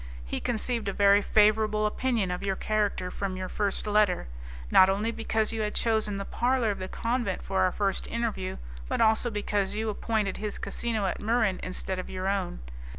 He conceived a very favourable opinion of your character from your first letter, not only because you had chosen the parlour of the convent for our first interview, but also because you appointed his casino at Muran instead of your own.